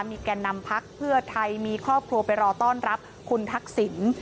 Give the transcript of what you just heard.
มีแก่นำพักเพื่อไทยมีครอบครัวไปรอต้อนรับคุณทักษิณ